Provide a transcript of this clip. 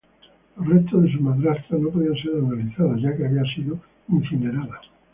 Los restos de su madrastra no podían ser analizados ya que había sido incinerada.